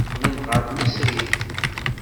Qqlent ɣer tmesrit.